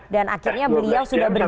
dan akhirnya beliau sudah berjuang